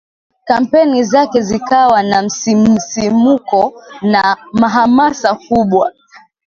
Kampeni zake zikawa na msisimko na hamasa kubwa